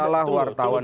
masalah wartawan itu